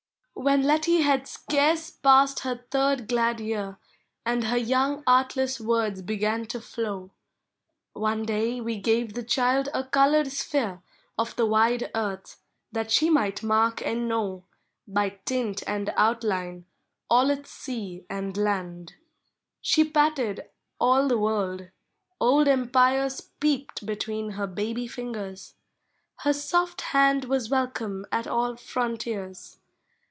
When Letty had scarce passed her third glad year, And her young, artless words began to How, One day we gave the child a colored sphere Of the wide earth, that she might mark and know, By tint and outline, all its sea and land. She patted all the world; old empires j>eeped Between her baby Augers; her soft hand Was welcome at all frontiers.